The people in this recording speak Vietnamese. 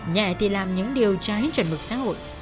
nhẹ thì làm những điều trái chuẩn mực xã hội